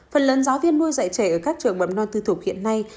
phần lớn giáo viên nuôi dạy trẻ ở các trường bẩm non tư thục hiện nay